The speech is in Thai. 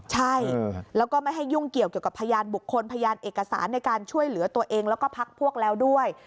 ใช่แล้วก็ไม่ให้ยุ่งเกี่ยวเกี่ยวกับพยานบุคคลพยานเอกสารในการช่วยเหลือตัวเองแล้วก็พักพวกแล้วด้วย